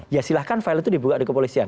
ya silahkan file itu dibuka di kepolisian